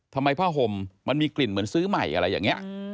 ผ้าห่มมันมีกลิ่นเหมือนซื้อใหม่อะไรอย่างนี้